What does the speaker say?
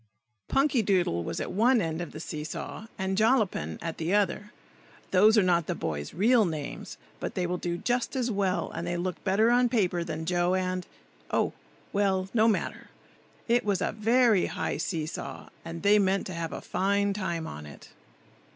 PUNKYDOODLE was at one end of the see saw, and Jollapin at the other. (Those are not the boys' real names, but they will do just as well, and they look better on paper than Joe, and,—oh! well, no matter!) It was a very high see saw, and they meant to have a fine time on it.